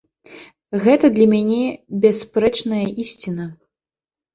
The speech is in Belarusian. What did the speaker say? Гэта для мяне бясспрэчная ісціна.